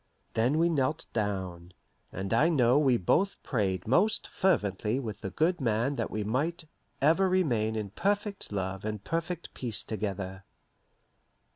Then we knelt down, and I know we both prayed most fervently with the good man that we might "ever remain in perfect love and perfect peace together."